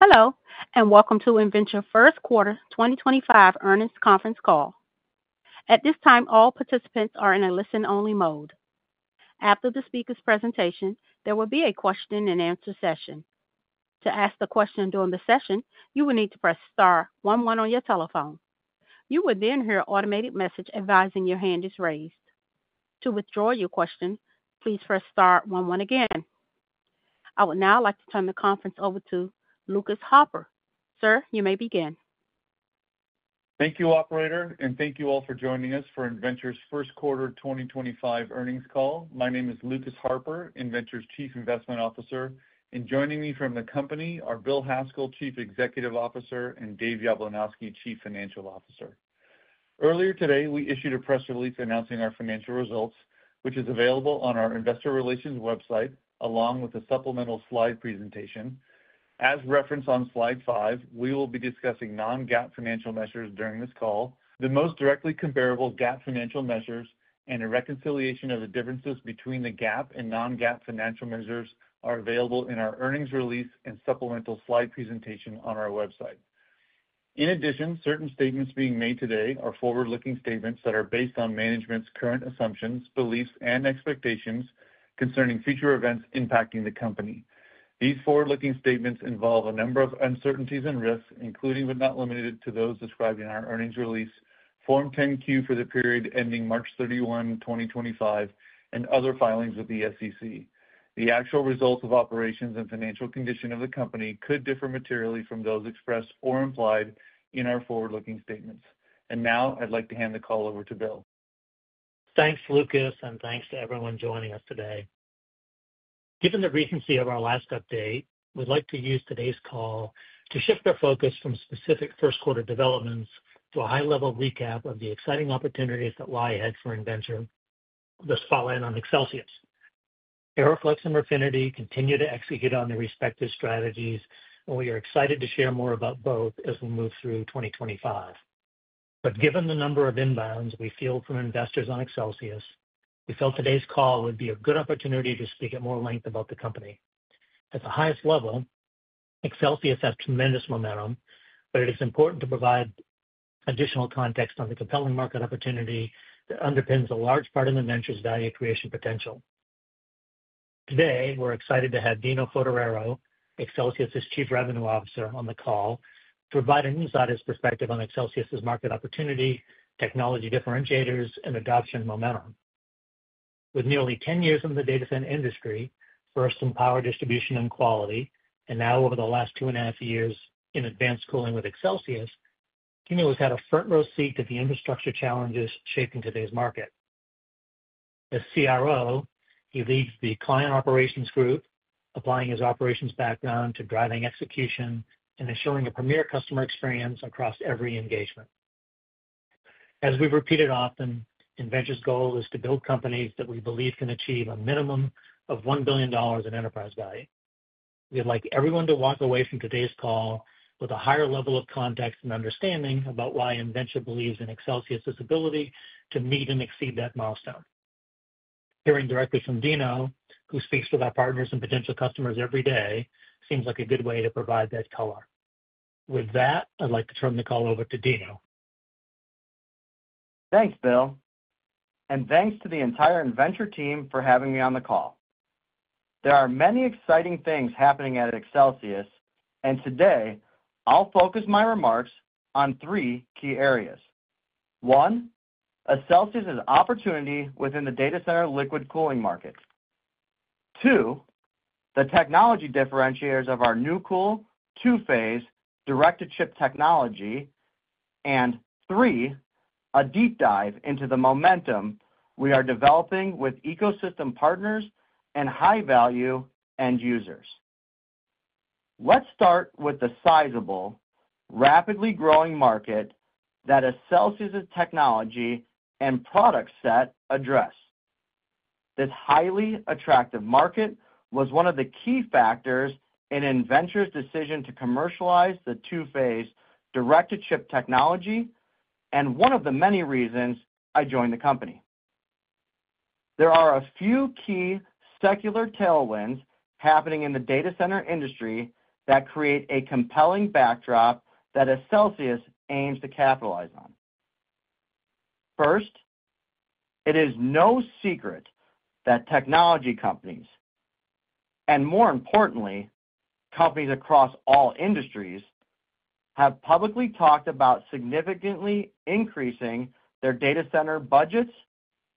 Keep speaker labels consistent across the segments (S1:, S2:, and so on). S1: Hello, and welcome to Innventure First Quarter 2025 Earnings Conference Call. At this time, all participants are in a listen-only mode. After the speaker's presentation, there will be a question-and-answer session. To ask a question during the session, you will need to press star one one on your telephone. You will then hear an automated message advising your hand is raised. To withdraw your question, please press star one one again. I would now like to turn the conference over to Lucas Harper. Sir, you may begin.
S2: Thank you, Operator, and thank you all for joining us for Innventure's First Quarter 2025 Earnings Call. My name is Lucas Harper, Innventure's Chief Investment Officer, and joining me from the company are Bill Haskell, Chief Executive Officer, and Dave Yablunosky, Chief Financial Officer. Earlier today, we issued a press release announcing our financial results, which is available on our Investor Relations website along with a supplemental slide presentation. As referenced on Slide 5, we will be discussing non-GAAP financial measures during this call. The most directly comparable GAAP financial measures and a reconciliation of the differences between the GAAP and non-GAAP financial measures are available in our earnings release and supplemental slide presentation on our website. In addition, certain statements being made today are forward-looking statements that are based on management's current assumptions, beliefs, and expectations concerning future events impacting the company. These forward-looking statements involve a number of uncertainties and risks, including but not limited to those described in our earnings release, Form 10-Q for the period ending March 31, 2025, and other filings with the SEC. The actual results of operations and financial condition of the company could differ materially from those expressed or implied in our forward-looking statements. I would like to hand the call over to Bill.
S3: Thanks, Lucas, and thanks to everyone joining us today. Given the recency of our last update, we'd like to use today's call to shift our focus from specific first-quarter developments to a high-level recap of the exciting opportunities that lie ahead for Innventure, with a spotlight on Accelsius. AeroFlexx and Refinity continue to execute on their respective strategies, and we are excited to share more about both as we move through 2025. Given the number of inbounds we field from investors on Accelsius, we felt today's call would be a good opportunity to speak at more length about the company. At the highest level, Accelsius has tremendous momentum, but it is important to provide additional context on the compelling market opportunity that underpins a large part of Innventure's value creation potential. Today, we're excited to have Dino Foderaro, Accelsius' Chief Revenue Officer, on the call to provide an insider's perspective on Accelsius' market opportunity, technology differentiators, and adoption momentum. With nearly 10 years in the data center industry, first in power distribution and quality, and now over the last 2.5 years in advanced cooling with Accelsius, Dino has had a front-row seat to the infrastructure challenges shaping today's market. As CRO, he leads the client operations group, applying his operations background to driving execution and ensuring a premier customer experience across every engagement. As we've repeated often, Innventure's goal is to build companies that we believe can achieve a minimum of $1 billion in enterprise value. We'd like everyone to walk away from today's call with a higher level of context and understanding about why Innventure believes in Accelsius' visibility to meet and exceed that milestone. Hearing directly from Dino, who speaks to our partners and potential customers every day, seems like a good way to provide that color. With that, I'd like to turn the call over to Dino.
S4: Thanks, Bill. Thanks to the entire Inventure team for having me on the call. There are many exciting things happening at Accelsius, and today, I'll focus my remarks on three key areas. One, Accelsius' opportunity within the data center liquid cooling market. Two, the technology differentiators of our NeuCool two-phase directed chip technology. Three, a deep dive into the momentum we are developing with ecosystem partners and high-value end users. Let's start with the sizable, rapidly growing market that Accelsius' technology and product set address. This highly attractive market was one of the key factors in Inventure's decision to commercialize the two-phase directed chip technology and one of the many reasons I joined the company. There are a few key secular tailwinds happening in the data center industry that create a compelling backdrop that Accelsius aims to capitalize on. First, it is no secret that technology companies, and more importantly, companies across all industries, have publicly talked about significantly increasing their data center budgets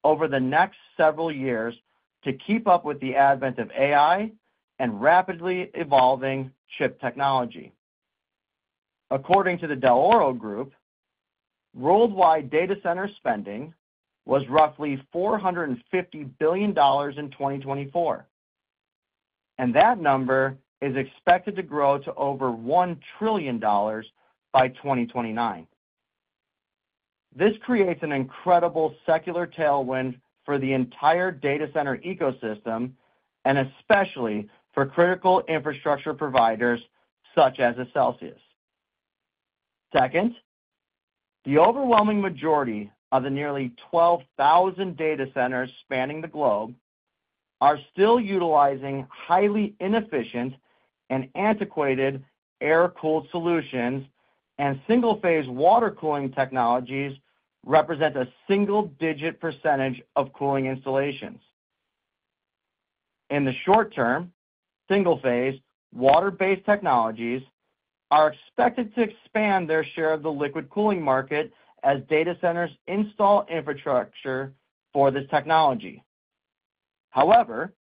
S4: over the next several years to keep up with the advent of AI and rapidly evolving chip technology. According to the Del Oro Group, worldwide data center spending was roughly $450 billion in 2024, and that number is expected to grow to over $1 trillion by 2029. This creates an incredible secular tailwind for the entire data center ecosystem and especially for critical infrastructure providers such as Accelsius. Second, the overwhelming majority of the nearly 12,000 data centers spanning the globe are still utilizing highly inefficient and antiquated air-cooled solutions, and single-phase water cooling technologies represent a single-digit percentage of cooling installations. In the short term, single-phase water-based technologies are expected to expand their share of the liquid cooling market as data centers install infrastructure for this technology. However,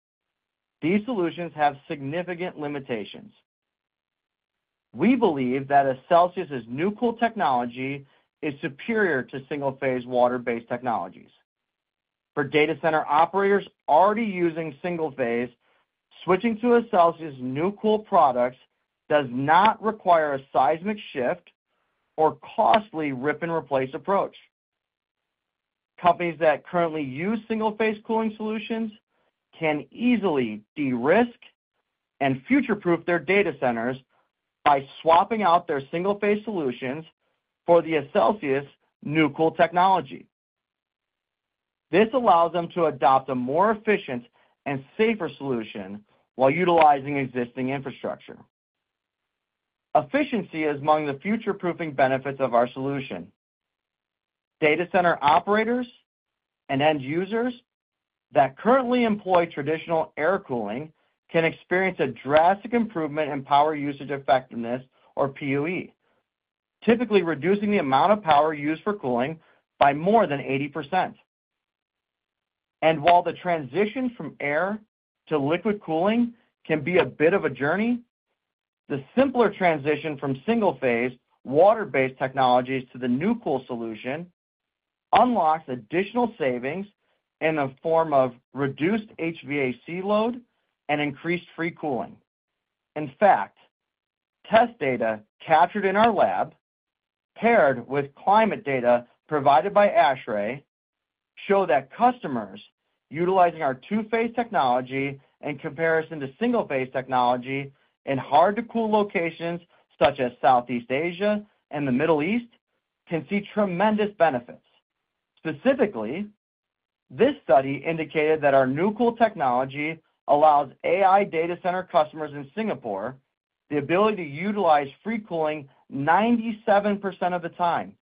S4: these solutions have significant limitations. We believe that Accelsius' NeuCool technology is superior to single-phase water-based technologies. For data center operators already using single-phase, switching to Accelsius' NeuCool products does not require a seismic shift or costly rip-and-replace approach. Companies that currently use single-phase cooling solutions can easily de-risk and future-proof their data centers by swapping out their single-phase solutions for Accelsius' NeuCool technology. This allows them to adopt a more efficient and safer solution while utilizing existing infrastructure. Efficiency is among the future-proofing benefits of our solution. Data center operators and end users that currently employ traditional air cooling can experience a drastic improvement in power usage effectiveness, or PUE, typically reducing the amount of power used for cooling by more than 80%. While the transition from air to liquid cooling can be a bit of a journey, the simpler transition from single-phase water-based technologies to the NeuCool solution unlocks additional savings in the form of reduced HVAC load and increased free cooling. In fact, test data captured in our lab paired with climate data provided by ASHRAE show that customers utilizing our two-phase technology in comparison to single-phase technology in hard-to-cool locations such as Southeast Asia and the Middle East can see tremendous benefits. Specifically, this study indicated that our NeuCool technology allows AI data center customers in Singapore the ability to utilize free cooling 97% of the time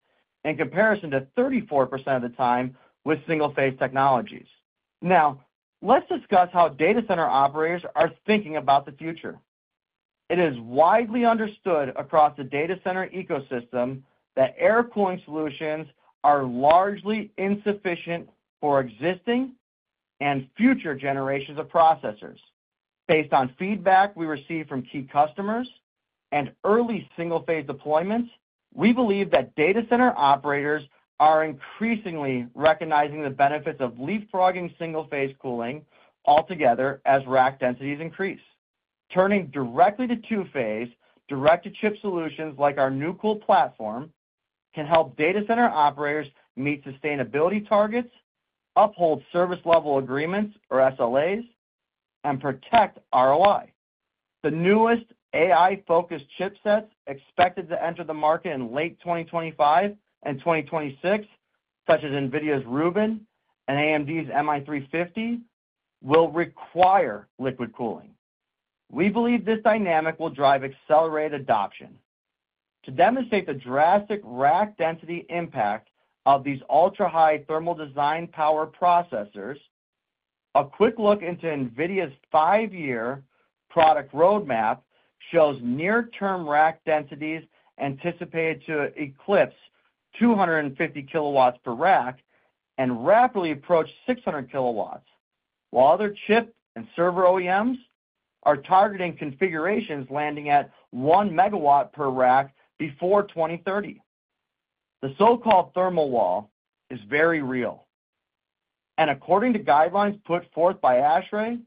S4: in comparison to 34% of the time with single-phase technologies. Now, let's discuss how data center operators are thinking about the future. It is widely understood across the data center ecosystem that air cooling solutions are largely insufficient for existing and future generations of processors. Based on feedback we received from key customers and early single-phase deployments, we believe that data center operators are increasingly recognizing the benefits of leapfrogging single-phase cooling altogether as rack densities increase. Turning directly to two-phase directed chip solutions like our NeuCool platform can help data center operators meet sustainability targets, uphold service-level agreements, or SLAs, and protect ROI. The newest AI-focused chipsets expected to enter the market in late 2025 and 2026, such as NVIDIA's Rubin and AMD's MI350, will require liquid cooling. We believe this dynamic will drive accelerated adoption. To demonstrate the drastic rack density impact of these ultra-high thermal design power processors, a quick look into NVIDIA's five-year product roadmap shows near-term rack densities anticipated to eclipse 250 kW per rack and rapidly approach 600 kW, while other chip and server OEMs are targeting configurations landing at 1 MW per rack before 2030. The so-called thermal wall is very real. According to guidelines put forth by ASHRAE,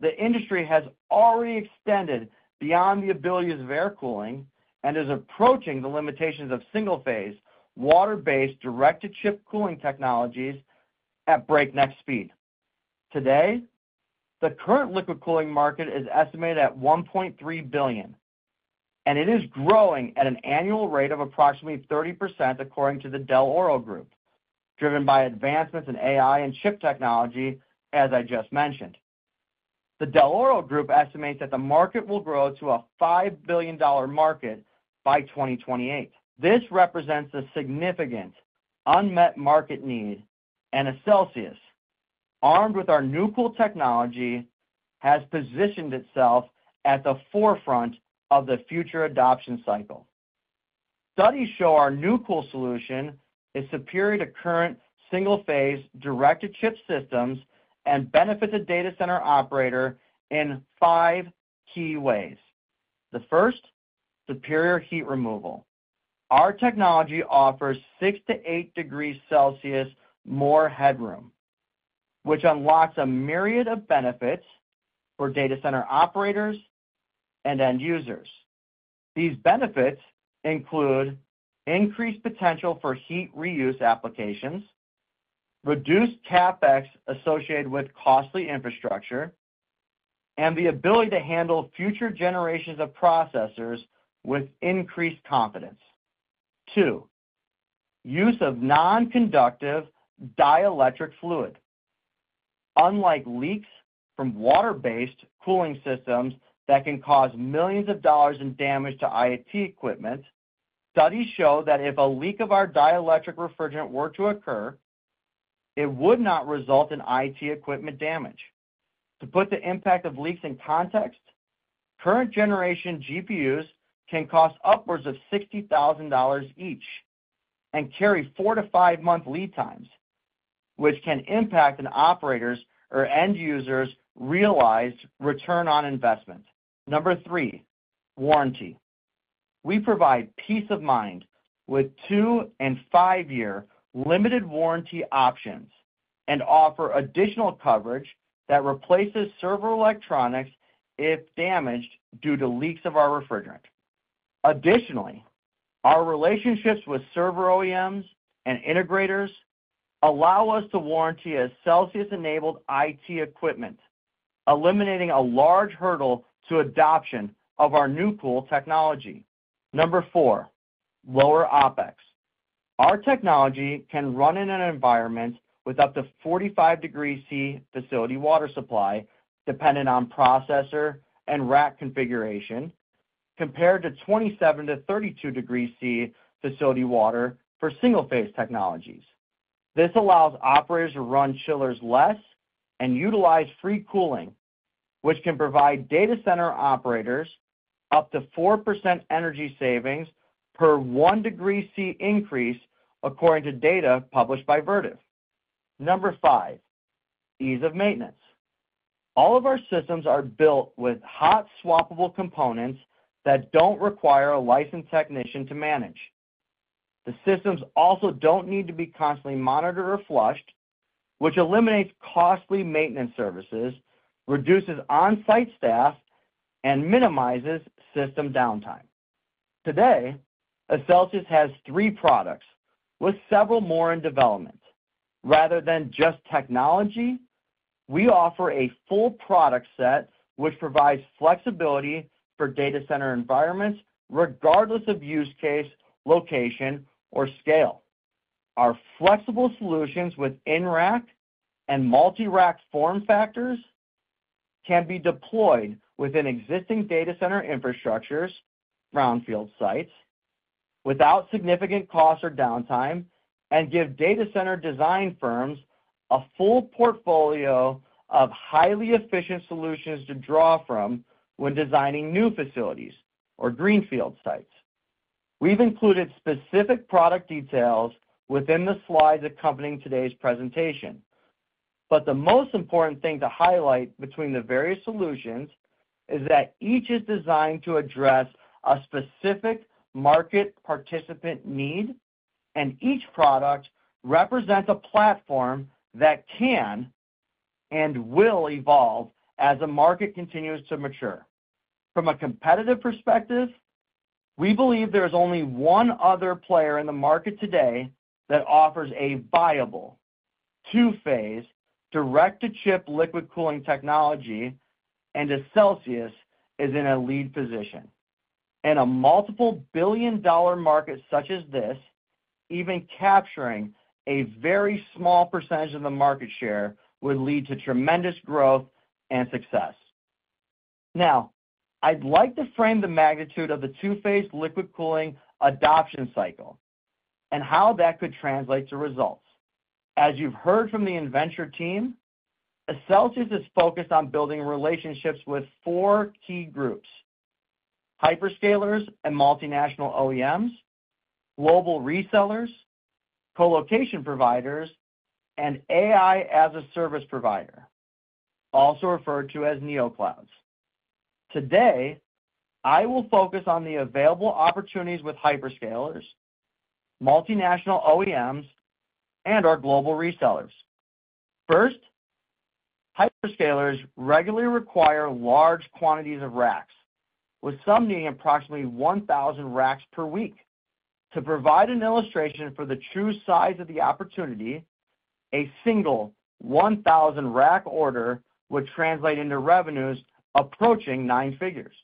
S4: the industry has already extended beyond the abilities of air cooling and is approaching the limitations of single-phase water-based directed chip cooling technologies at breakneck speed. Today, the current liquid cooling market is estimated at $1.3 billion, and it is growing at an annual rate of approximately 30% according to the Del Oro Group, driven by advancements in AI and chip technology, as I just mentioned. The Del Oro Group estimates that the market will grow to a $5 billion market by 2028. This represents a significant unmet market need, and Accelsius, armed with our NeuCool technology, has positioned itself at the forefront of the future adoption cycle. Studies show our NeuCool solution is superior to current single-phase directed chip systems and benefits a data center operator in five key ways. The first, superior heat removal. Our technology offers 6-8 degrees Celsius more headroom, which unlocks a myriad of benefits for data center operators and end users. These benefits include increased potential for heat reuse applications, reduced CapEx associated with costly infrastructure, and the ability to handle future generations of processors with increased confidence. Two, use of non-conductive dielectric fluid. Unlike leaks from water-based cooling systems that can cause millions of dollars in damage to IT equipment, studies show that if a leak of our dielectric refrigerant were to occur, it would not result in IT equipment damage. To put the impact of leaks in context, current-generation GPUs can cost upwards of $60,000 each and carry four- to five-month lead times, which can impact an operator's or end user's realized return on investment. Number three, warranty. We provide peace of mind with two- and five-year limited warranty options and offer additional coverage that replaces server electronics if damaged due to leaks of our refrigerant. Additionally, our relationships with server OEMs and integrators allow us to warranty Accelsius-enabled IT equipment, eliminating a large hurdle to adoption of our NeuCool technology. Number four, lower OpEx. Our technology can run in an environment with up to 45 degrees Celsius facility water supply dependent on processor and rack configuration compared to 27-32 degrees Celsius facility water for single-phase technologies. This allows operators to run chillers less and utilize free cooling, which can provide data center operators up to 4% energy savings per 1 degree Celsius increase, according to data published by Vertiv. Number five, ease of maintenance. All of our systems are built with hot-swappable components that do not require a licensed technician to manage. The systems also do not need to be constantly monitored or flushed, which eliminates costly maintenance services, reduces on-site staff, and minimizes system downtime. Today, Accelsius has three products, with several more in development. Rather than just technology, we offer a full product set, which provides flexibility for data center environments regardless of use case, location, or scale. Our flexible solutions with in-rack and multi-rack form factors can be deployed within existing data center infrastructures, brownfield sites, without significant cost or downtime, and give data center design firms a full portfolio of highly efficient solutions to draw from when designing new facilities or greenfield sites. We have included specific product details within the slides accompanying today's presentation. The most important thing to highlight between the various solutions is that each is designed to address a specific market participant need, and each product represents a platform that can and will evolve as the market continues to mature. From a competitive perspective, we believe there is only one other player in the market today that offers a viable two-phase directed chip liquid cooling technology, and Accelsius is in a lead position. In a multiple billion-dollar market such as this, even capturing a very small percentage of the market share would lead to tremendous growth and success. Now, I'd like to frame the magnitude of the two-phase liquid cooling adoption cycle and how that could translate to results. As you've heard from the Inventure team, Accelsius is focused on building relationships with four key groups: hyperscalers and multinational OEMs, global resellers, colocation providers, and AI-as-a-service provider, also referred to as Neoclouds. Today, I will focus on the available opportunities with hyperscalers, multinational OEMs, and our global resellers. First, hyperscalers regularly require large quantities of racks, with some needing approximately 1,000 racks per week. To provide an illustration for the true size of the opportunity, a single 1,000-rack order would translate into revenues approaching nine figures.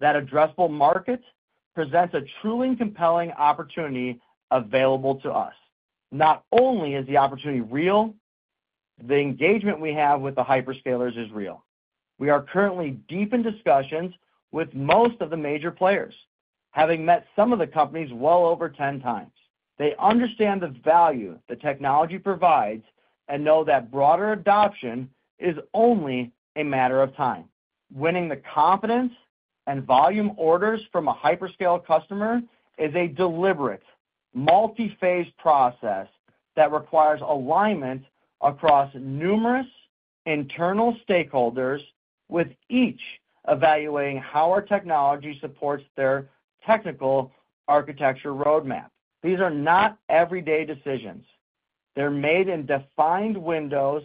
S4: That addressable market presents a truly compelling opportunity available to us. Not only is the opportunity real, the engagement we have with the hyperscalers is real. We are currently deep in discussions with most of the major players, having met some of the companies well over 10x. They understand the value the technology provides and know that broader adoption is only a matter of time. Winning the confidence and volume orders from a hyperscale customer is a deliberate multi-phase process that requires alignment across numerous internal stakeholders, with each evaluating how our technology supports their technical architecture roadmap. These are not everyday decisions. They're made in defined windows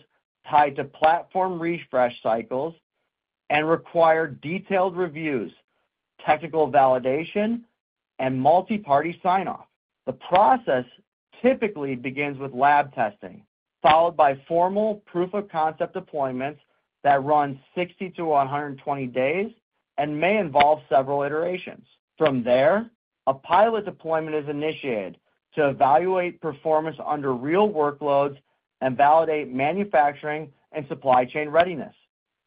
S4: tied to platform refresh cycles and require detailed reviews, technical validation, and multi-party sign-off. The process typically begins with lab testing, followed by formal proof-of-concept deployments that run 60-120 days and may involve several iterations. From there, a pilot deployment is initiated to evaluate performance under real workloads and validate manufacturing and supply chain readiness.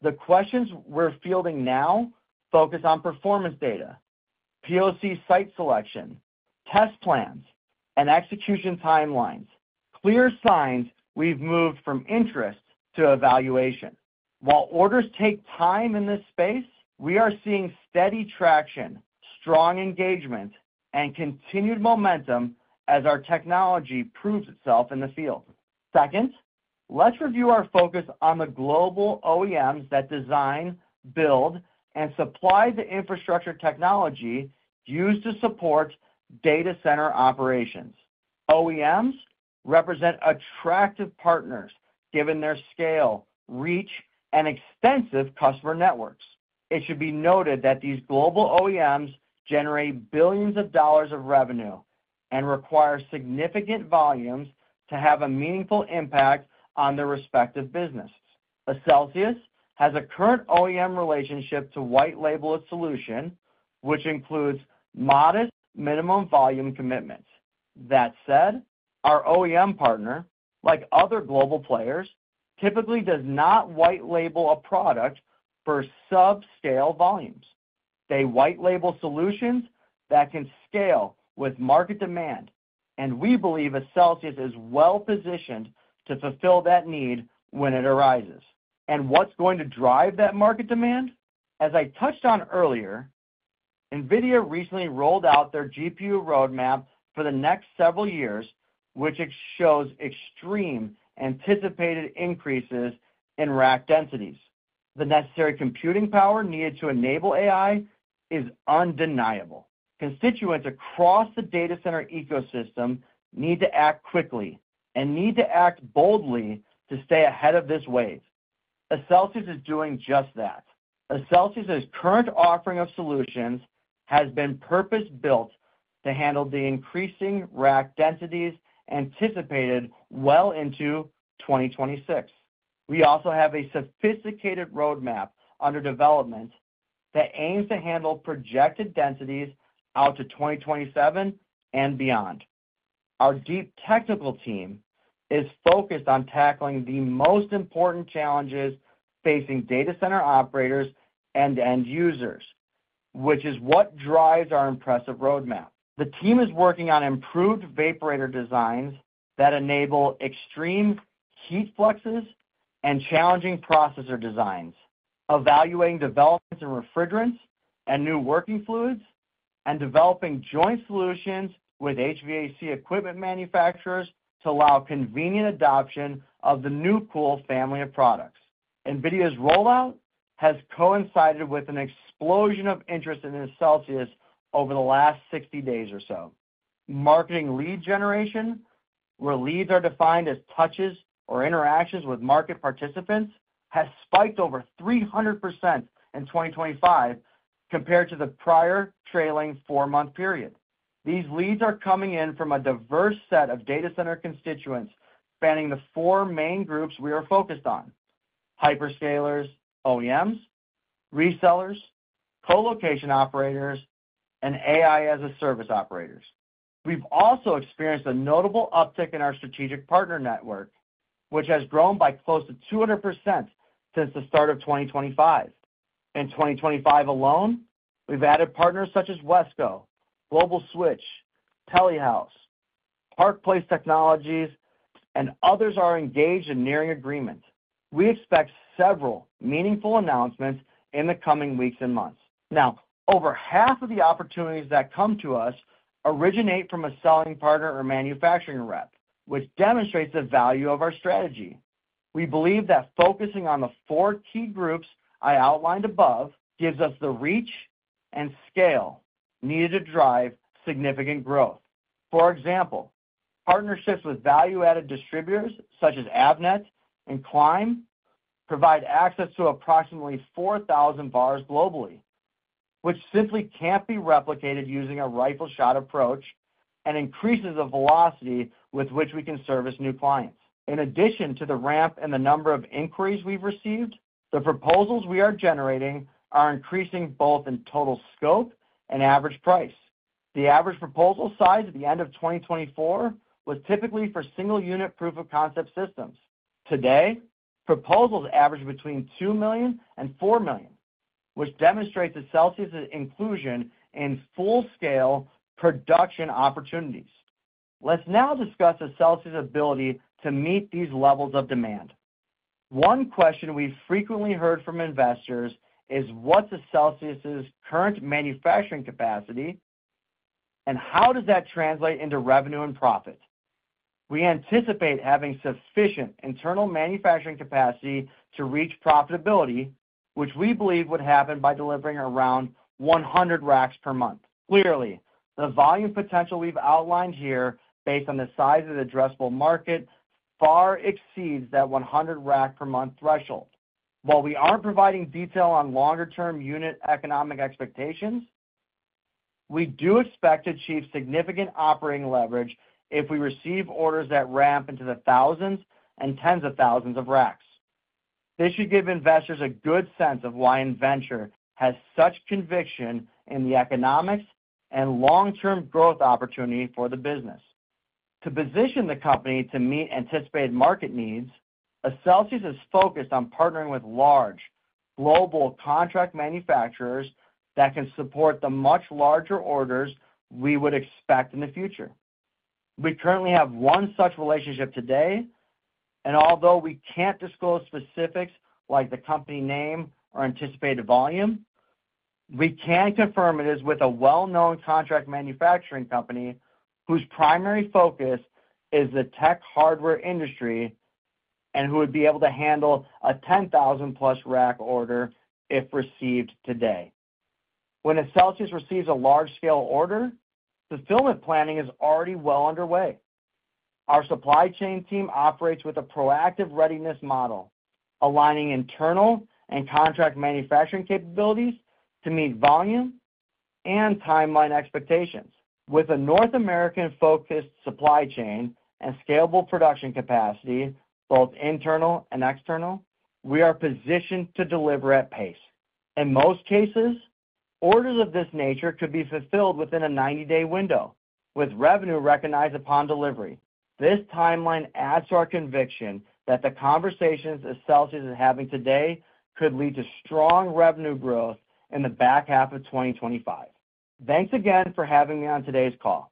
S4: The questions we're fielding now focus on performance data, POC site selection, test plans, and execution timelines. Clear signs we've moved from interest to evaluation. While orders take time in this space, we are seeing steady traction, strong engagement, and continued momentum as our technology proves itself in the field. Second, let's review our focus on the global OEMs that design, build, and supply the infrastructure technology used to support data center operations. OEMs represent attractive partners given their scale, reach, and extensive customer networks. It should be noted that these global OEMs generate billions of dollars of revenue and require significant volumes to have a meaningful impact on their respective businesses. Accelsius has a current OEM relationship to white-label a solution, which includes modest minimum volume commitments. That said, our OEM partner, like other global players, typically does not white-label a product for subscale volumes. They white-label solutions that can scale with market demand, and we believe Accelsius is well-positioned to fulfill that need when it arises. What is going to drive that market demand? As I touched on earlier, NVIDIA recently rolled out their GPU roadmap for the next several years, which shows extreme anticipated increases in rack densities. The necessary computing power needed to enable AI is undeniable. Constituents across the data center ecosystem need to act quickly and need to act boldly to stay ahead of this wave. Accelsius is doing just that. Accelsius' current offering of solutions has been purpose-built to handle the increasing rack densities anticipated well into 2026. We also have a sophisticated roadmap under development that aims to handle projected densities out to 2027 and beyond. Our deep technical team is focused on tackling the most important challenges facing data center operators and end users, which is what drives our impressive roadmap. The team is working on improved vaporator designs that enable extreme heat fluxes and challenging processor designs, evaluating developments in refrigerants and new working fluids, and developing joint solutions with HVAC equipment manufacturers to allow convenient adoption of the NeuCool family of products. NVIDIA's rollout has coincided with an explosion of interest in Accelsius over the last 60 days or so. Marketing lead generation, where leads are defined as touches or interactions with market participants, has spiked over 300% in 2025 compared to the prior trailing four-month period. These leads are coming in from a diverse set of data center constituents spanning the four main groups we are focused on: hyperscalers, OEMs, resellers, colocation operators, and AI-as-a-service operators. We've also experienced a notable uptick in our strategic partner network, which has grown by close to 200% since the start of 2025. In 2025 alone, we've added partners such as Wesco, Global Switch, Telehouse, Park Place Technologies, and others are engaged in nearing agreement. We expect several meaningful announcements in the coming weeks and months. Now, over half of the opportunities that come to us originate from a selling partner or manufacturing rep, which demonstrates the value of our strategy. We believe that focusing on the four key groups I outlined above gives us the reach and scale needed to drive significant growth. For example, partnerships with value-added distributors such as Avnet and Climb provide access to approximately 4,000 VARs globally, which simply cannot be replicated using a rifle shot approach and increases the velocity with which we can service new clients. In addition to the ramp and the number of inquiries we have received, the proposals we are generating are increasing both in total scope and average price. The average proposal size at the end of 2024 was typically for single-unit proof-of-concept systems. Today, proposals average between $2 million and $4 million, which demonstrates Accelsius' inclusion in full-scale production opportunities. Let's now discuss Accelsius' ability to meet these levels of demand. One question we've frequently heard from investors is, "What's Accelsius' current manufacturing capacity, and how does that translate into revenue and profit?" We anticipate having sufficient internal manufacturing capacity to reach profitability, which we believe would happen by delivering around 100 racks per month. Clearly, the volume potential we've outlined here based on the size of the addressable market far exceeds that 100-rack-per-month threshold. While we aren't providing detail on longer-term unit economic expectations, we do expect to achieve significant operating leverage if we receive orders that ramp into the thousands and tens of thousands of racks. This should give investors a good sense of why Innventure has such conviction in the economics and long-term growth opportunity for the business. To position the company to meet anticipated market needs, Accelsius is focused on partnering with large, global contract manufacturers that can support the much larger orders we would expect in the future. We currently have one such relationship today, and although we can't disclose specifics like the company name or anticipated volume, we can confirm it is with a well-known contract manufacturing company whose primary focus is the tech hardware industry and who would be able to handle a 10,000+ rack order if received today. When Accelsius receives a large-scale order, fulfillment planning is already well underway. Our supply chain team operates with a proactive readiness model, aligning internal and contract manufacturing capabilities to meet volume and timeline expectations. With a North American-focused supply chain and scalable production capacity, both internal and external, we are positioned to deliver at pace. In most cases, orders of this nature could be fulfilled within a 90-day window, with revenue recognized upon delivery. This timeline adds to our conviction that the conversations Accelsius is having today could lead to strong revenue growth in the back half of 2025. Thanks again for having me on today's call.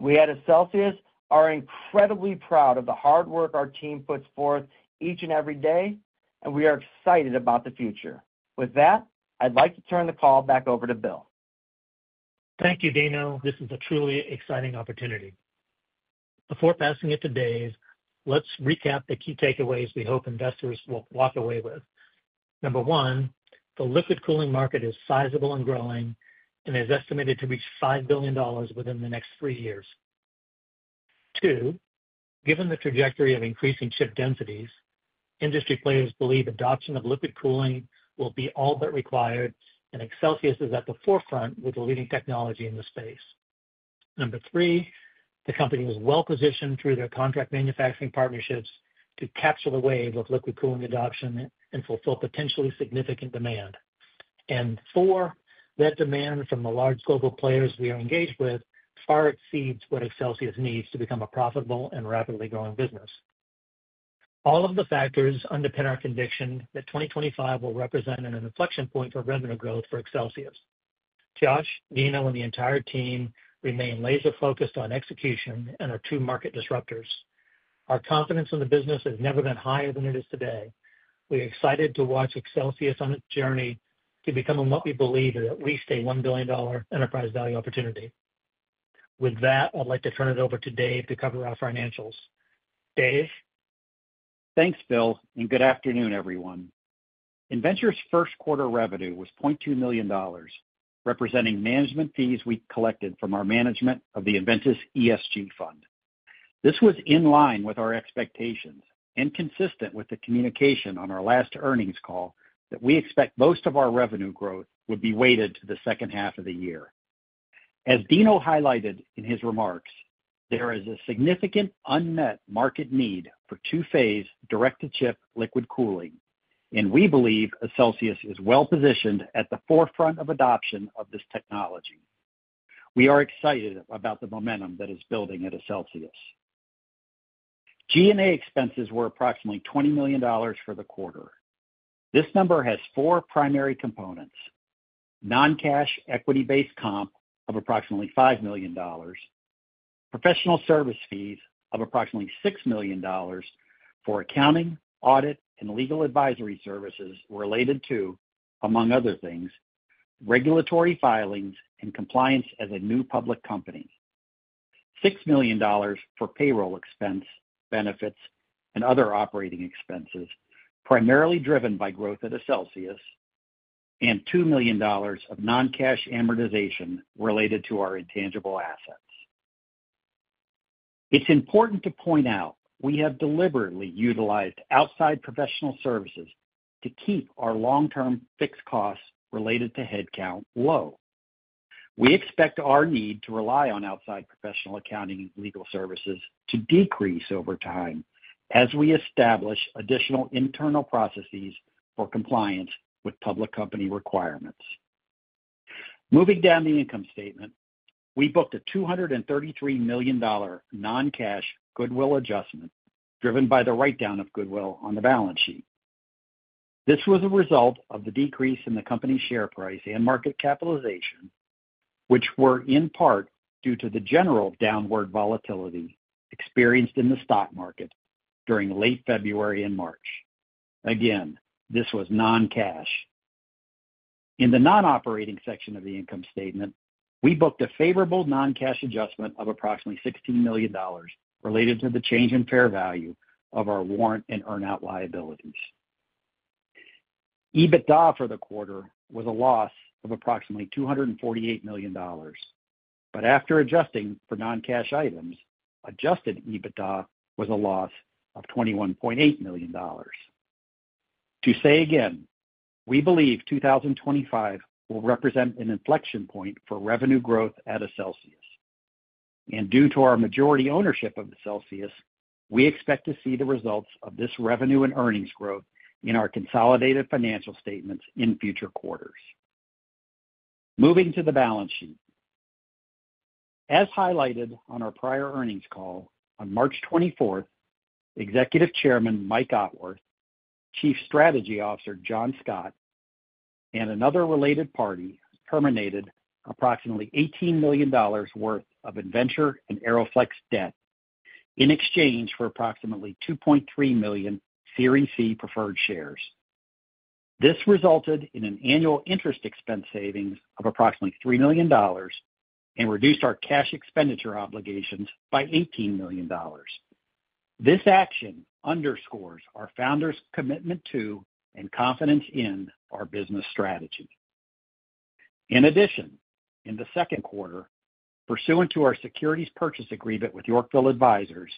S4: We at Accelsius are incredibly proud of the hard work our team puts forth each and every day, and we are excited about the future. With that, I'd like to turn the call back over to Bill.
S3: Thank you, Dino. This is a truly exciting opportunity. Before passing it to Dave, let's recap the key takeaways we hope investors will walk away with. Number one, the liquid cooling market is sizable and growing and is estimated to reach $5 billion within the next three years. Two, given the trajectory of increasing chip densities, industry players believe adoption of liquid cooling will be all but required, and Accelsius is at the forefront with the leading technology in the space. Number three, the company is well-positioned through their contract manufacturing partnerships to capture the wave of liquid cooling adoption and fulfill potentially significant demand. Four, that demand from the large global players we are engaged with far exceeds what Accelsius needs to become a profitable and rapidly growing business. All of the factors underpin our conviction that 2025 will represent an inflection point for revenue growth for Accelsius. Josh, Dino, and the entire team remain laser-focused on execution and our two market disruptors. Our confidence in the business has never been higher than it is today. We are excited to watch Accelsius on its journey to become what we believe is at least a $1 billion enterprise value opportunity. With that, I'd like to turn it over to Dave to cover our financials. Dave?
S5: Thanks, Bill, and good afternoon, everyone. Innventure's first quarter revenue was $0.2 million, representing management fees we collected from our management of the Innventus ESG Fund. This was in line with our expectations and consistent with the communication on our last earnings call that we expect most of our revenue growth would be weighted to the second half of the year. As Dino highlighted in his remarks, there is a significant unmet market need for two-phase direct-to-chip liquid cooling, and we believe Accelsius is well-positioned at the forefront of adoption of this technology. We are excited about the momentum that is building at Accelsius. G&A expenses were approximately $20 million for the quarter. This number has four primary components: non-cash equity-based comp of approximately $5 million, professional service fees of approximately $6 million for accounting, audit, and legal advisory services related to, among other things, regulatory filings and compliance as a new public company, $6 million for payroll expenses, benefits, and other operating expenses primarily driven by growth at Accelsius, and $2 million of non-cash amortization related to our intangible assets. It's important to point out we have deliberately utilized outside professional services to keep our long-term fixed costs related to headcount low. We expect our need to rely on outside professional accounting and legal services to decrease over time as we establish additional internal processes for compliance with public company requirements. Moving down the income statement, we booked a $233 million non-cash goodwill adjustment driven by the write-down of goodwill on the balance sheet. This was a result of the decrease in the company's share price and market capitalization, which were in part due to the general downward volatility experienced in the stock market during late February and March. Again, this was non-cash. In the non-operating section of the income statement, we booked a favorable non-cash adjustment of approximately $16 million related to the change in fair value of our warrant and earn-out liabilities. EBITDA for the quarter was a loss of approximately $248 million, but after adjusting for non-cash items, adjusted EBITDA was a loss of $21.8 million. To say again, we believe 2025 will represent an inflection point for revenue growth at Innventure. Due to our majority ownership of Accelsius, we expect to see the results of this revenue and earnings growth in our consolidated financial statements in future quarters. Moving to the balance sheet. As highlighted on our prior earnings call on March 24th, Executive Chairman Mike Otworth, Chief Strategy Officer John Scott, and another related party terminated approximately $18 million worth of Innventure and AeroFlexx debt in exchange for approximately 2.3 million Series C preferred shares. This resulted in an annual interest expense savings of approximately $3 million and reduced our cash expenditure obligations by $18 million. This action underscores our founders' commitment to and confidence in our business strategy. In addition, in the second quarter, pursuant to our securities purchase agreement with Yorkville Advisors,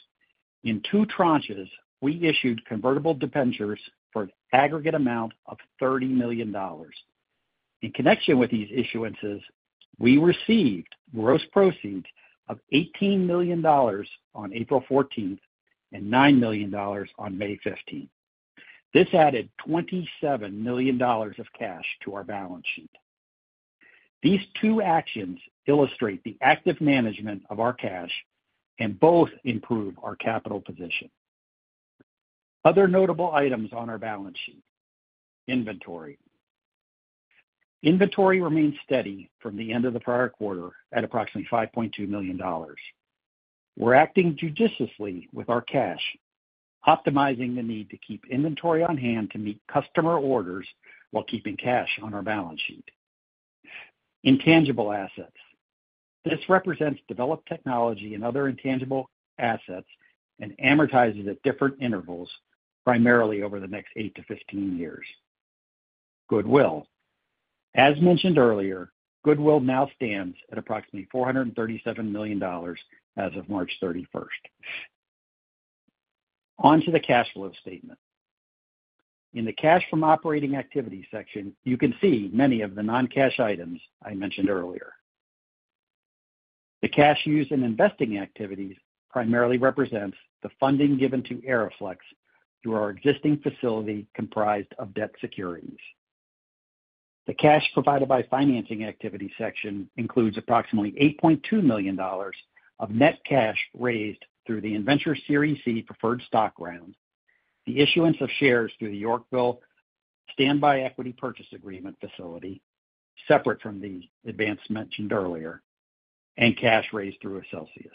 S5: in two tranches, we issued convertible debentures for an aggregate amount of $30 million. In connection with these issuances, we received gross proceeds of $18 million on April 14 and $9 million on May 15th. This added $27 million of cash to our balance sheet. These two actions illustrate the active management of our cash and both improve our capital position. Other notable items on our balance sheet: inventory. Inventory remained steady from the end of the prior quarter at approximately $5.2 million. We're acting judiciously with our cash, optimizing the need to keep inventory on hand to meet customer orders while keeping cash on our balance sheet. Intangible assets. This represents developed technology and other intangible assets and amortizes at different intervals, primarily over the next eight to 15 years. Goodwill. As mentioned earlier, goodwill now stands at approximately $437 million as of March 31st. On to the cash flow statement. In the cash from operating activity section, you can see many of the non-cash items I mentioned earlier. The cash used in investing activities primarily represents the funding given to AeroFlexx through our existing facility comprised of debt securities. The cash provided by financing activity section includes approximately $8.2 million of net cash raised through the Innventure Series C preferred stock round, the issuance of shares through the Yorkville standby equity purchase agreement facility, separate from the advance mentioned earlier, and cash raised through Accelsius.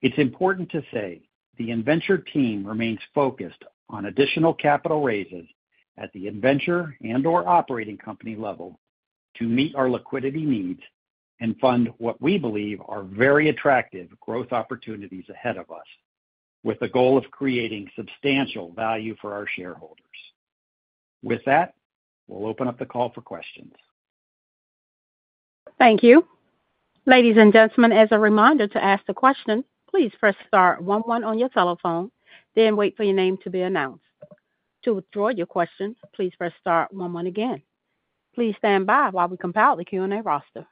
S5: It's important to say the Innventure team remains focused on additional capital raises at the Innventure and/or operating company level to meet our liquidity needs and fund what we believe are very attractive growth opportunities ahead of us, with the goal of creating substantial value for our shareholders. With that, we'll open up the call for questions.
S1: Thank you. Ladies and gentlemen, as a reminder to ask the question, please press star one one on your telephone, then wait for your name to be announced. To withdraw your question, please press star one one again. Please stand by while we compile the Q&A roster.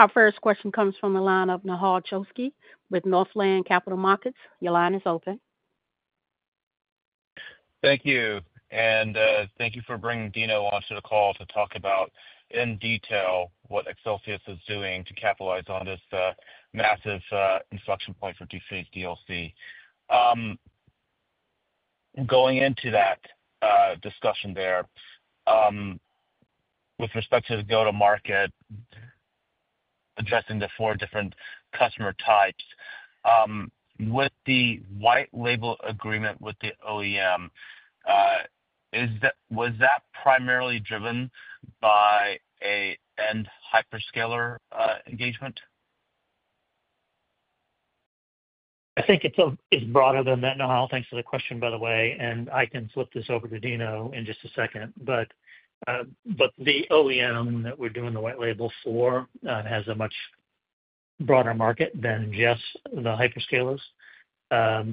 S1: Our first question comes from the line of Nehal Chokshi with Northland Capital Markets. Your line is open.
S6: Thank you. Thank you for bringing Dino onto the call to talk about in detail what Accelsius is doing to capitalize on this massive inflection point for DCH DLC. Going into that discussion there, with respect to the go-to-market, addressing the four different customer types, with the white label agreement with the OEM, was that primarily driven by an end hyperscaler engagement?
S3: I think it's broader than that. No, I'll answer the question, by the way. I can flip this over to Dino in just a second. But the OEM that we're doing the white label for has a much broader market than just the hyperscalers.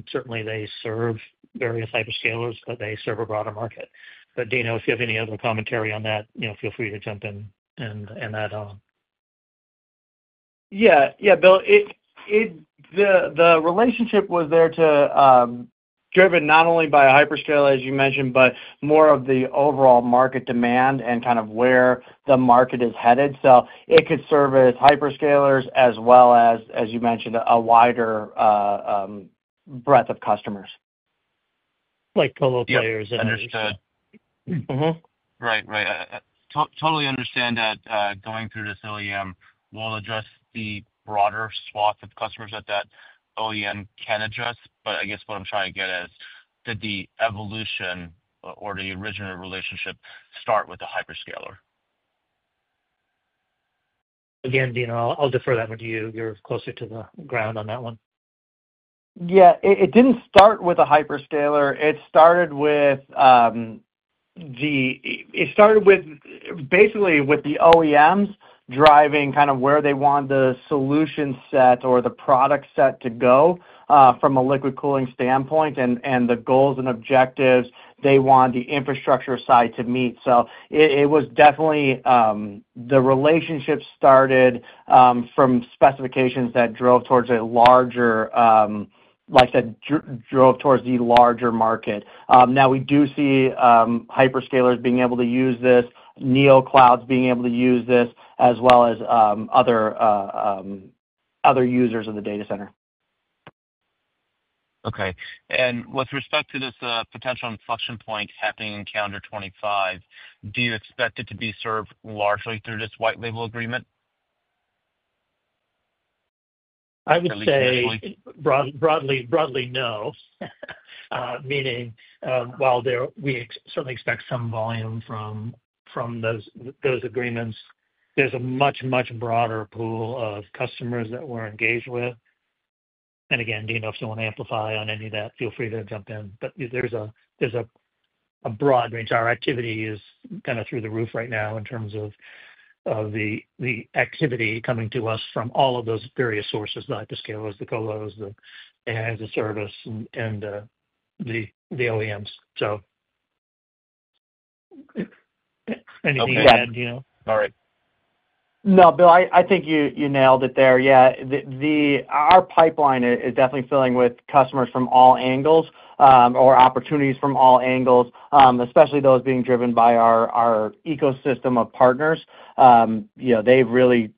S3: Certainly, they serve various hyperscalers, but they serve a broader market. But Dino, if you have any other commentary on that, feel free to jump in and add on.
S4: Yeah. Yeah, Bill, the relationship was there too, driven not only by a hyperscaler, as you mentioned, but more of the overall market demand and kind of where the market is headed. So it could serve as hyperscalers as well as, as you mentioned, a wider breadth of customers.
S3: Like colo players and other stuff.
S6: Right. Right. Totally understand that going through this OEM will address the broader swath of customers that that OEM can address. But I guess what I'm trying to get at is, did the evolution or the original relationship start with a hyperscaler?
S3: Again, Dino, I'll defer that one to you. You're closer to the ground on that one.
S4: Yeah. It didn't start with a hyperscaler. It started basically with the OEMs driving kind of where they want the solution set or the product set to go from a liquid cooling standpoint and the goals and objectives they want the infrastructure side to meet. So it was definitely the relationship started from specifications that drove towards a larger, like I said, drove towards the larger market. Now, we do see hyperscalers being able to use this, Neoclouds being able to use this, as well as other users of the data center.
S6: Okay. And with respect to this potential inflection point happening in calendar 2025, do you expect it to be served largely through this white label agreement?
S3: I would say broadly, no. Meaning, while we certainly expect some volume from those agreements, there's a much, much broader pool of customers that we're engaged with. Again, Dino, if you want to amplify on any of that, feel free to jump in. There's a broad range. Our activity is kind of through the roof right now in terms of the activity coming to us from all of those various sources: the hyperscalers, the colos, the as-a-service, and the OEMs. Anything to add, Dino?
S4: All right. No, Bill, I think you nailed it there. Yeah. Our pipeline is definitely filling with customers from all angles or opportunities from all angles, especially those being driven by our ecosystem of partners. They've really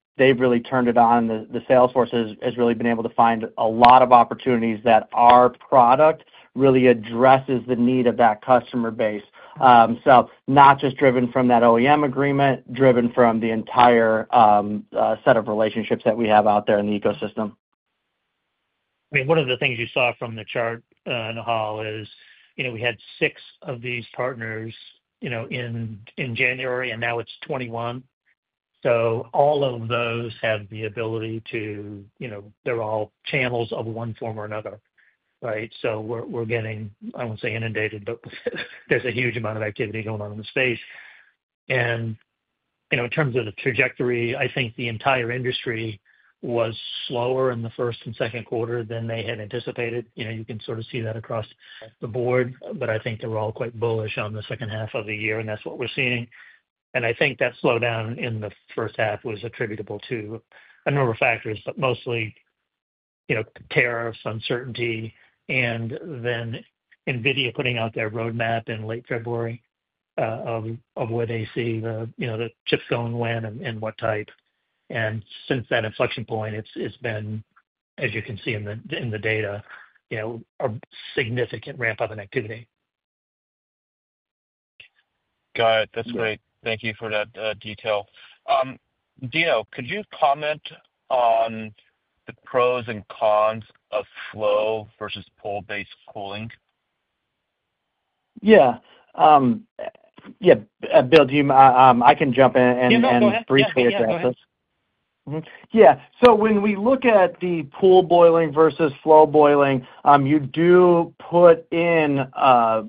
S4: turned it on. The sales force has really been able to find a lot of opportunities that our product really addresses the need of that customer base. Not just driven from that OEM agreement, driven from the entire set of relationships that we have out there in the ecosystem.
S3: I mean, one of the things you saw from the chart, Nahal, is we had six of these partners in January, and now it is 21. All of those have the ability to—they are all channels of one form or another, right? We are getting, I will not say inundated, but there is a huge amount of activity going on in the space. In terms of the trajectory, I think the entire industry was slower in the first and second quarter than they had anticipated. You can sort of see that across the board. I think they were all quite bullish on the second half of the year, and that is what we are seeing. I think that slowdown in the first half was attributable to a number of factors, but mostly tariffs, uncertainty, and then NVIDIA putting out their roadmap in late February of where they see the chips going when and what type. Since that inflection point, it's been, as you can see in the data, a significant ramp-up in activity.
S6: Got it. That's great. Thank you for that detail. Dino, could you comment on the pros and cons of flow versus pool-based cooling?
S4: Yeah. Bill, do you mind? I can jump in and briefly address this. Yeah. Go ahead. When we look at the pool boiling versus flow boiling, you do put in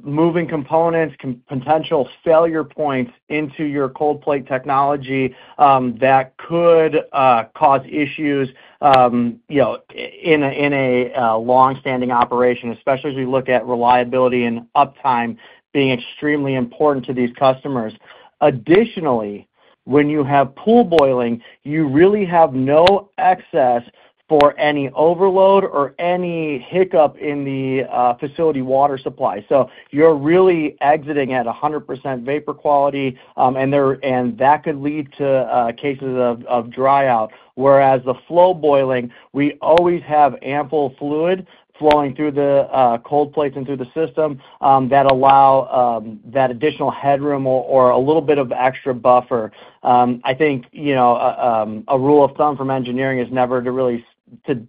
S4: moving components, potential failure points into your cold plate technology that could cause issues in a long-standing operation, especially as we look at reliability and uptime being extremely important to these customers. Additionally, when you have pool boiling, you really have no excess for any overload or any hiccup in the facility water supply. You are really exiting at 100% vapor quality, and that could lead to cases of dryout. Whereas the flow boiling, we always have ample fluid flowing through the cold plates and through the system that allow that additional headroom or a little bit of extra buffer. I think a rule of thumb from engineering is never to really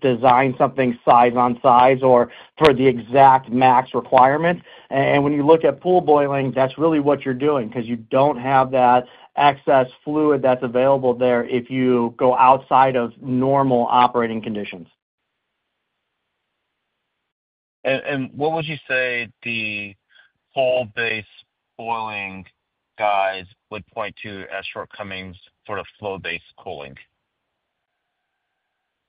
S4: design something size on size or for the exact max requirement. When you look at pool boiling, that's really what you're doing because you do not have that excess fluid that's available there if you go outside of normal operating conditions.
S6: What would you say the pool-based boiling guys would point to as shortcomings for the flow-based cooling?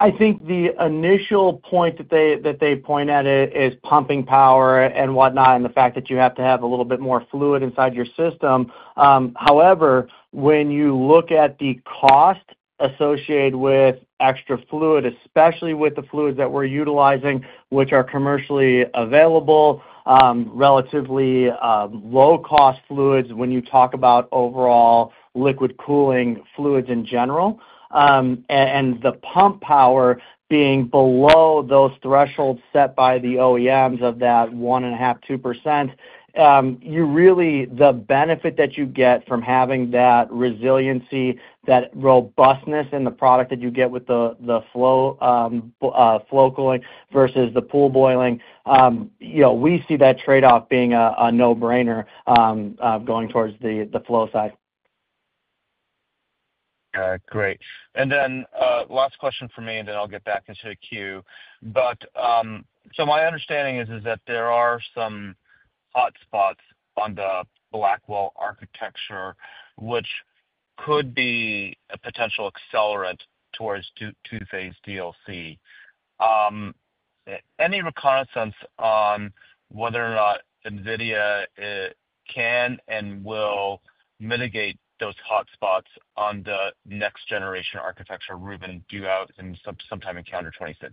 S4: I think the initial point that they point at is pumping power and whatnot and the fact that you have to have a little bit more fluid inside your system. However, when you look at the cost associated with extra fluid, especially with the fluids that we're utilizing, which are commercially available, relatively low-cost fluids when you talk about overall liquid cooling fluids in general, and the pump power being below those thresholds set by the OEMs of that 1.5%, 2%, the benefit that you get from having that resiliency, that robustness in the product that you get with the flow cooling versus the pool boiling, we see that trade-off being a no-brainer going towards the flow side.
S6: Great. And then last question for me, and then I'll get back into the queue. My understanding is that there are some hotspots on the Blackwell architecture, which could be a potential accelerant towards two-phase DLC. Any reconnaissance on whether or not NVIDIA can and will mitigate those hotspots on the next-generation architecture Rubin due out sometime in calendar 2026?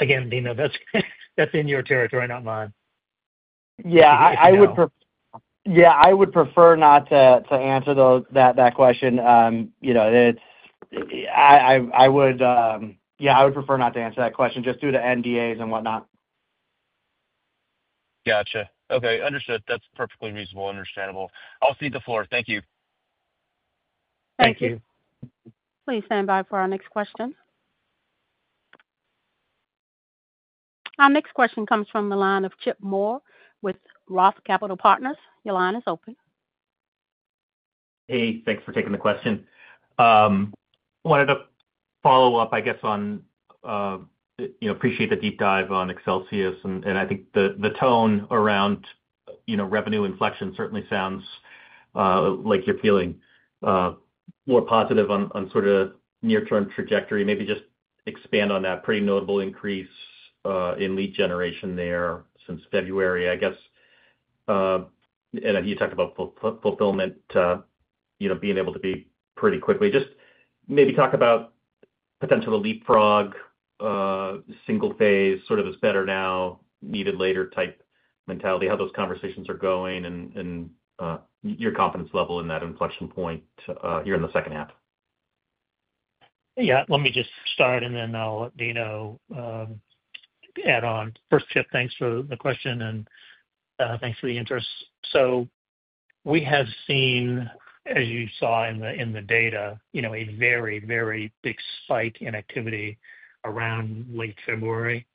S3: Again, Dino, that is in your territory, not mine.
S4: Yeah. I would prefer not to answer that question. I would prefer not to answer that question just due to NDAs and whatnot.
S6: Gotcha. Okay. Understood. That is perfectly reasonable and understandable. I will cede the floor. Thank you.
S1: Thank you. Please stand by for our next question. Our next question comes from the line of Chip Moore with ROTH Capital Partners. Your line is open.
S7: Hey. Thanks for taking the question. Wanted to follow up, I guess, on appreciate the deep dive on Accelsius. I think the tone around revenue inflection certainly sounds like you're feeling more positive on sort of near-term trajectory. Maybe just expand on that pretty notable increase in lead generation there since February, I guess. You talked about fulfillment being able to be pretty quickly. Just maybe talk about potential to leapfrog single-phase, sort of is better now, needed later type mentality, how those conversations are going, and your confidence level in that inflection point here in the second half.
S3: Yeah. Let me just start, and then I'll let Dino add on. First, Chip, thanks for the question, and thanks for the interest. We have seen, as you saw in the data, a very, very big spike in activity around late February.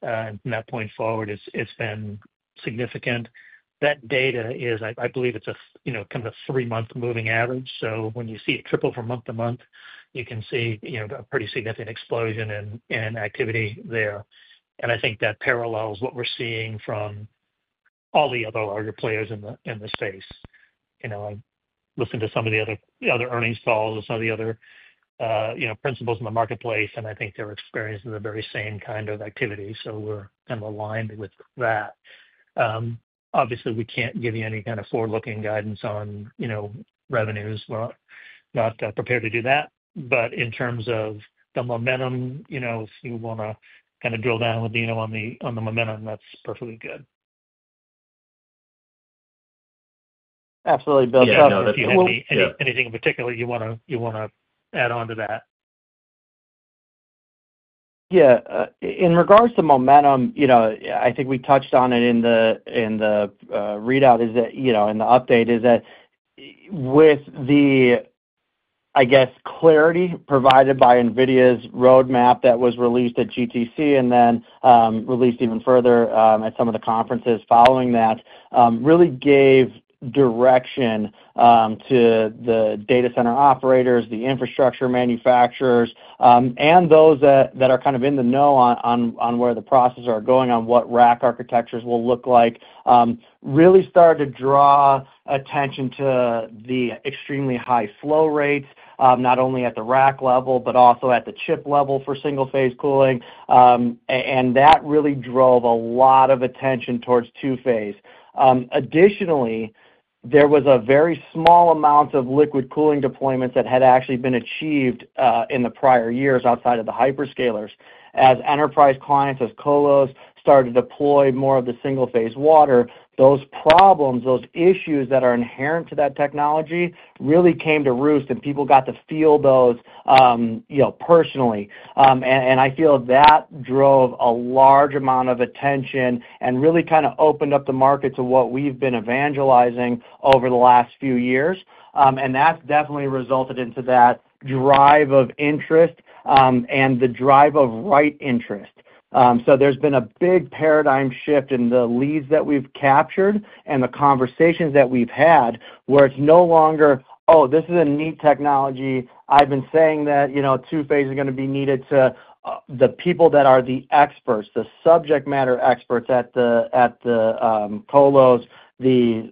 S3: From that point forward, it's been significant. That data is, I believe it's kind of a three-month moving average. When you see it triple from month to month, you can see a pretty significant explosion in activity there. I think that parallels what we're seeing from all the other larger players in the space. I listened to some of the other earnings calls and some of the other principals in the marketplace, and I think they're experiencing the very same kind of activity. We're kind of aligned with that. Obviously, we can't give you any kind of forward-looking guidance on revenues. We're not prepared to do that. In terms of the momentum, if you want to kind of drill down with Dino on the momentum, that's perfectly good. Absolutely. Bill, if you have anything in particular you want to add on to that.
S4: Yeah. In regards to momentum, I think we touched on it in the readout and the update, is that with the, I guess, clarity provided by NVIDIA's roadmap that was released at GTC and then released even further at some of the conferences following that, really gave direction to the data center operators, the infrastructure manufacturers, and those that are kind of in the know on where the processes are going, on what rack architectures will look like, really started to draw attention to the extremely high flow rates, not only at the rack level, but also at the chip level for single-phase cooling. That really drove a lot of attention towards two-phase. Additionally, there was a very small amount of liquid cooling deployments that had actually been achieved in the prior years outside of the hyperscalers. As enterprise clients, as colos started to deploy more of the single-phase water, those problems, those issues that are inherent to that technology really came to roost, and people got to feel those personally. I feel that drove a large amount of attention and really kind of opened up the market to what we've been evangelizing over the last few years. That has definitely resulted in that drive of interest and the drive of right interest. There has been a big paradigm shift in the leads that we've captured and the conversations that we've had where it's no longer, "Oh, this is a neat technology. I've been saying that two-phase is going to be needed to the people that are the experts, the subject matter experts at the colos, the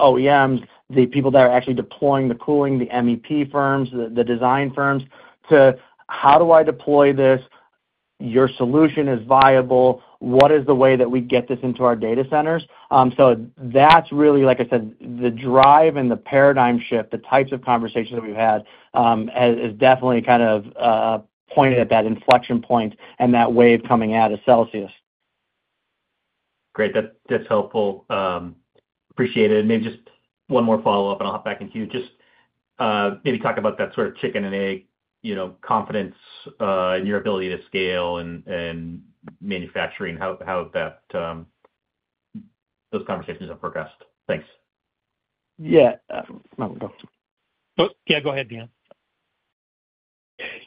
S4: OEMs, the people that are actually deploying the cooling, the MEP firms, the design firms, to how do I deploy this? Your solution is viable. What is the way that we get this into our data centers? That is really, like I said, the drive and the paradigm shift, the types of conversations that we've had has definitely kind of pointed at that inflection point and that wave coming out of Accelsius.
S7: Great. That's helpful. Appreciate it. Maybe just one more follow-up, and I'll hop back into you. Just maybe talk about that sort of chicken and egg confidence in your ability to scale and manufacturing, how those conversations have progressed. Thanks.
S4: Yeah.
S3: Go ahead,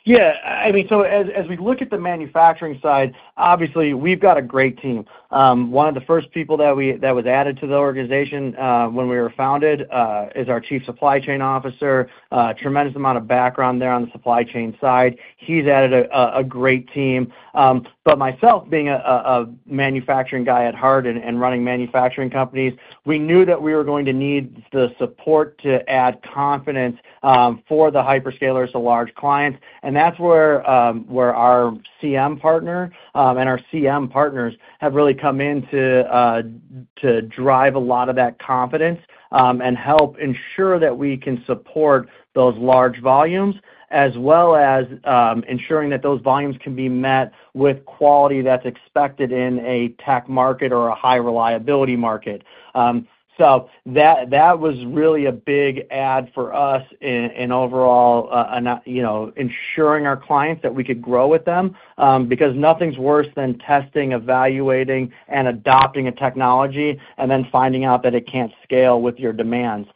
S3: Dino.
S4: Yeah. I mean, as we look at the manufacturing side, obviously, we've got a great team. One of the first people that was added to the organization when we were founded is our Chief Supply Chain Officer, tremendous amount of background there on the supply chain side. He's added a great team. Myself, being a manufacturing guy at heart and running manufacturing companies, we knew that we were going to need the support to add confidence for the hyperscalers to large clients. That's where our CM partner and our CM partners have really come in to drive a lot of that confidence and help ensure that we can support those large volumes, as well as ensuring that those volumes can be met with quality that's expected in a tech market or a high-reliability market. That was really a big add for us in overall ensuring our clients that we could grow with them because nothing's worse than testing, evaluating, and adopting a technology and then finding out that it can't scale with your demands.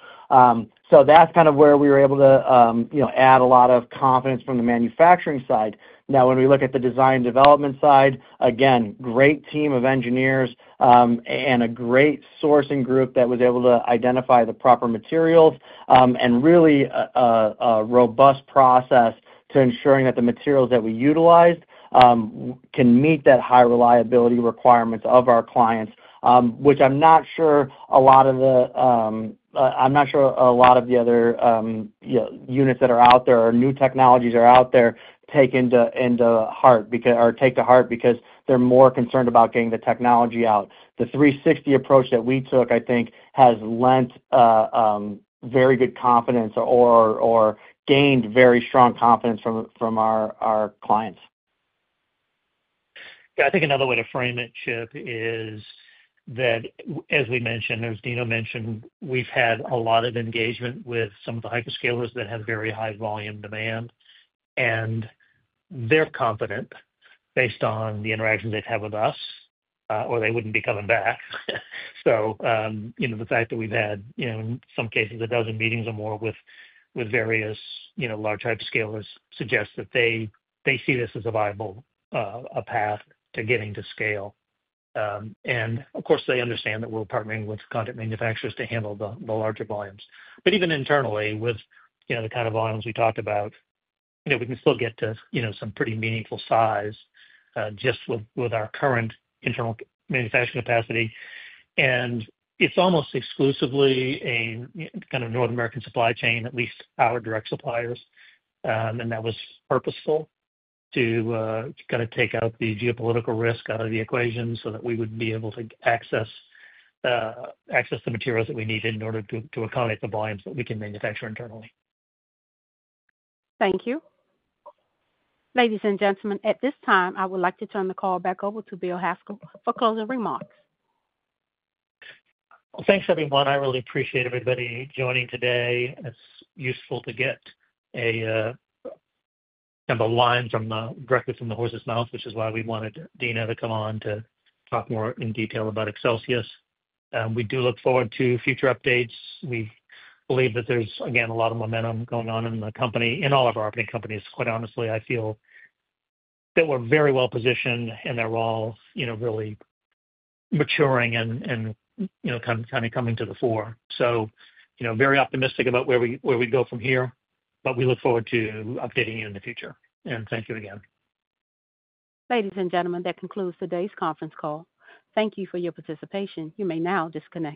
S4: That's kind of where we were able to add a lot of confidence from the manufacturing side. Now, when we look at the design development side, again, great team of engineers and a great sourcing group that was able to identify the proper materials and really a robust process to ensuring that the materials that we utilized can meet that high-reliability requirements of our clients, which I'm not sure a lot of the other units that are out there or new technologies are out there take to heart because they're more concerned about getting the technology out. The 360 approach that we took, I think, has lent very good confidence or gained very strong confidence from our clients.
S3: Yeah. I think another way to frame it, Chip, is that, as we mentioned, as Dino mentioned, we've had a lot of engagement with some of the hyperscalers that have very high volume demand, and they're confident based on the interactions they've had with us, or they wouldn't be coming back. The fact that we've had, in some cases, a dozen meetings or more with various large hyperscalers suggests that they see this as a viable path to getting to scale. Of course, they understand that we're partnering with content manufacturers to handle the larger volumes. Even internally, with the kind of volumes we talked about, we can still get to some pretty meaningful size just with our current internal manufacturing capacity. It is almost exclusively a kind of North American supply chain, at least our direct suppliers. That was purposeful to kind of take out the geopolitical risk out of the equation so that we would be able to access the materials that we needed in order to accommodate the volumes that we can manufacture internally.
S1: Thank you. Ladies and gentlemen, at this time, I would like to turn the call back over to Bill Haskell for closing remarks.
S3: Thank you, everyone. I really appreciate everybody joining today. It is useful to get a line directly from the horse's mouth, which is why we wanted Dino to come on to talk more in detail about Accelsius. We do look forward to future updates. We believe that there is, again, a lot of momentum going on in the company, in all of our operating companies, quite honestly. I feel that we're very well positioned, and they're all really maturing and kind of coming to the fore. Very optimistic about where we go from here, but we look forward to updating you in the future. Thank you again.
S1: Ladies and gentlemen, that concludes today's conference call. Thank you for your participation. You may now disconnect.